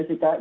ya sih kak